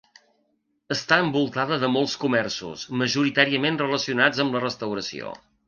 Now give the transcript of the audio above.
Està envoltada de molts comerços, majoritàriament relacionats amb la restauració.